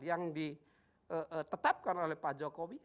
yang ditetapkan oleh pak jokowi